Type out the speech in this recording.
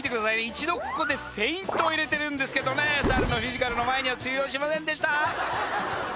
一度ここでフェイントを入れてるんですけどねサルのフィジカルの前には通用しませんでした